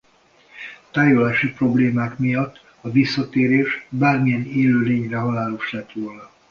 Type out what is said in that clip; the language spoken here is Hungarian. Tájolási problémák miatt a visszatérés bármilyen élőlényre halálos lett volna.